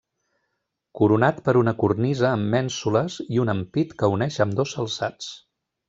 Coronat per una cornisa amb mènsules i un ampit que uneix ambdós alçats.